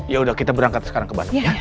ya udah kita berangkat sekarang ke bandung